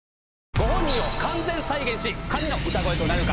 ご本人を完全再現し神の歌声となれるか。